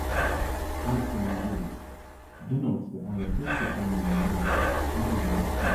Allesley Village denotes the area east the Birmingham Road, including West Point.